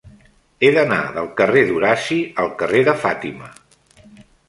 He d'anar del carrer d'Horaci al carrer de Fàtima.